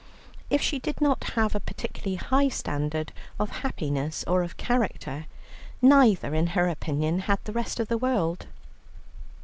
If she did not have a particularly high standard of happiness or of character, neither, in her opinion, had the rest of the world.